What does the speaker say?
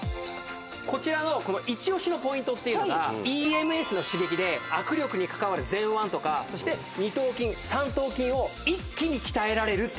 こちらの一押しのポイントっていうのがＥＭＳの刺激で握力に関わる前腕とかそして二頭筋三頭筋を一気に鍛えられるっていう。